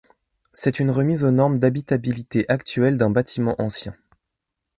C'est une remise aux normes d'habitabilité actuelle d'un bâtiment ancien.